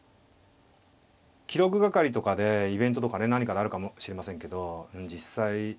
記録係とかでイベントとかで何かあるかもしれませんけど実際ね。